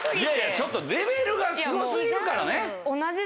ちょっとレベルがすご過ぎるからね。